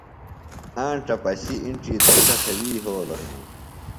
آنڇہ پشیۡ اِنڇی دھُتہ تھےۡ وی یھولوۡ ہنوۡ